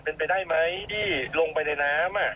เป็นไปได้ไหมที่ลงไปในน้ำ